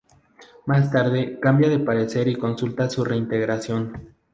Más tarde, cambia de parecer y consulta su reintegración.